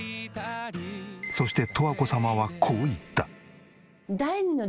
そして十和子様はこう言った。